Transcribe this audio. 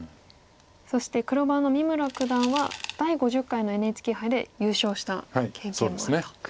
そして黒番の三村九段は第５０回のＮＨＫ杯で優勝した経験もあると。